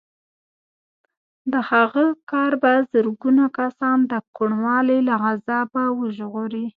د هغه کار به زرګونه کسان د کوڼوالي له عذابه وژغوري